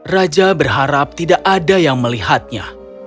raja berharap tidak ada yang melihatnya